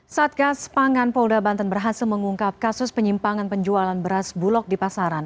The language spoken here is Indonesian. satgas pangan polda banten berhasil mengungkap kasus penyimpangan penjualan beras bulog di pasaran